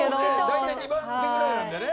大体２番手ぐらいなんだよね。